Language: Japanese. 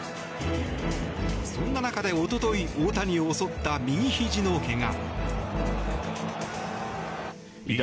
そんな中でおととい大谷を襲った右ひじの怪我。